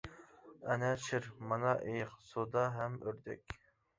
ئەنە شىر، مانا ئېيىق، سۇدا ھەم ئۆردەك.